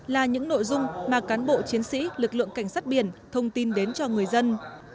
là những nội dung mà cán bộ chiến sĩ lực lượng cảnh sát biển thông tin đến cho người dân